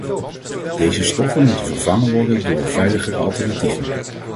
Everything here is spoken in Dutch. Deze stoffen moeten vervangen worden door veiligere alternatieven.